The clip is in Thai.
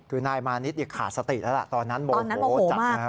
คือนายมานิดอีกขาดสติแล้วล่ะตอนนั้นโบโหมาก